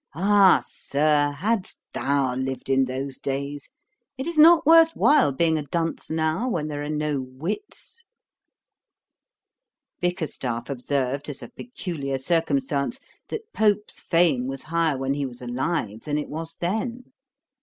Ah, Sir, hadst thou lived in those days! It is not worth while being a dunce now, when there are no wits.' Bickerstaff observed, as a peculiar circumstance, that Pope's fame was higher when he was alive than it was then.